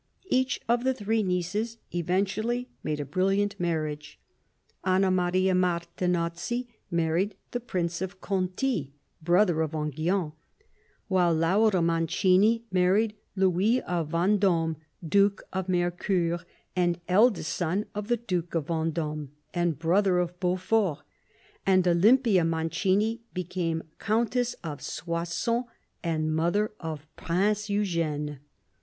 Each of the three nieces eventu ally made a brilliant marriage. Anna Maria Martinozzi married the Prince of Conti, brother of Enghien ; while Laura Mancini married Louis of Venddme, Duke of Mercoeur, and eldest son of the Duke of Venddme, and brother of Beaufort; and Olympia Mancini became Countess of Soissons, and mother of Prince Eugene.